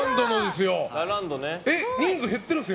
人数減ってるんですか？